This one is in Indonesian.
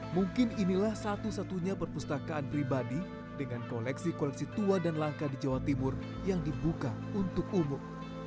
mungkin inilah satu satunya perpustakaan pribadi dengan koleksi koleksi tua dan langka di jawa timur yang dibuka untuk umum